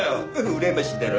うらやましいだろ？